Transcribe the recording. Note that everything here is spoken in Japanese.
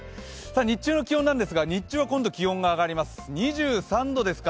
日中の気温なんですが日中は今度、気温が上がります。